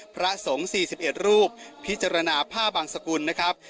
พระสงฆ์๔๑รูปพิจารณาผ้าบางสกุลนะครับ